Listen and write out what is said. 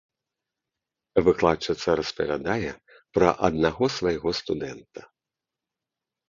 Выкладчыца распавядае пра аднаго свайго студэнта.